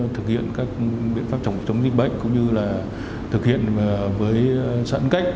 thực hiện các biện pháp chống dịch bệnh cũng như là thực hiện với giãn cách